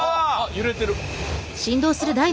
揺れてる！え！